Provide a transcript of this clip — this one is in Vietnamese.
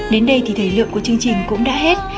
đến đây thì thời lượng của chương trình cũng đã hết